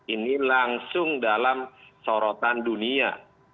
ini langsung dalam sorotan dunia